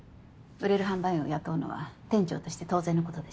売れる販売員を雇うのは店長として当然のことです。